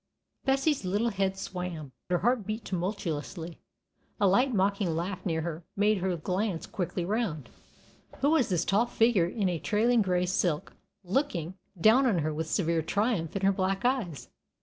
Bessie's little head swam; her heart beat tumultuously. A light mocking laugh near her made her glance quickly round. Who was this tall figure in a trailing gray silk, looking down at her with severe triumph in her black eyes?